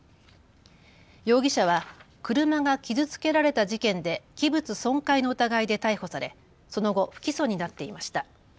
容疑者は車が傷つけられた事件で器物損壊の疑いで逮捕されその後、不起訴になっていました。